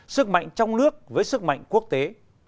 sức mạnh trong nước với sức mạnh quốc tế